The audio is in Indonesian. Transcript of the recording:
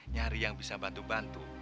nyari yang bisa bantu bantu